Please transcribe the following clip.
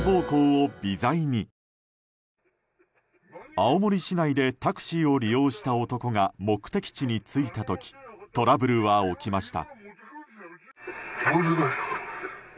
青森市内でタクシーを利用した男が目的地に着いた時トラブルは起きました。